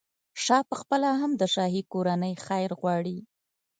شاه پخپله هم د شاهي کورنۍ خیر غواړي.